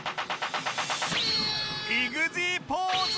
イグジーポーズ！